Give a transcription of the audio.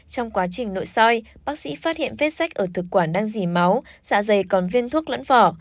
trong quá trình nội soi bác sĩ phát hiện vết sách ở thực quản đang dì máu dạ dày còn viên thuốc lẫm vỏ